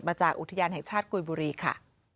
จากอุทยานแห่งชาติกุยบุรีค่ะ